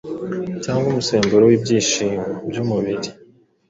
cyangwa umusemburo w’ibyishimo. byumubiri